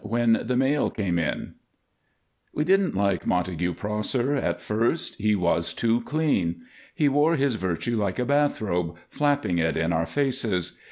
WHEN THE MAIL CAME IN We didn't like Montague Prosser at first he was too clean. He wore his virtue like a bath robe, flapping it in our faces.